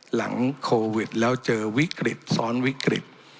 หลังโควิดแล้วเจอวิกฤตซ้อนวิกฤต